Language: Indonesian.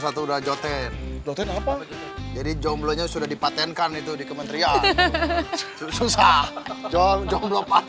satu udah joten joten apa jadi jomblo nya sudah dipatenkan itu di kementerian susah jorjok lopat